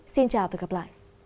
xin chào và hẹn gặp lại